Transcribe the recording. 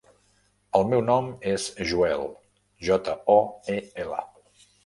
El meu nom és Joel: jota, o, e, ela.